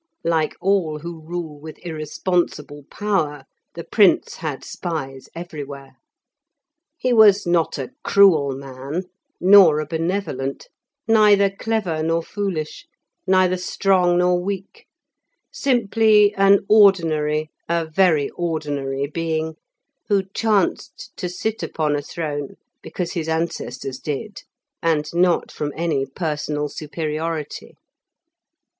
Like all who rule with irresponsible power, the Prince had spies everywhere. He was not a cruel man, nor a benevolent, neither clever nor foolish, neither strong nor weak; simply an ordinary, a very ordinary being, who chanced to sit upon a throne because his ancestors did, and not from any personal superiority.